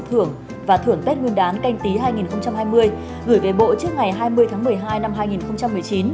thưởng và thưởng tết nguyên đán canh tí hai nghìn hai mươi gửi về bộ trước ngày hai mươi tháng một mươi hai năm hai nghìn một mươi chín